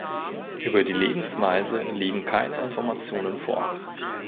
Über die Lebensweise liegen keine Informationen vor.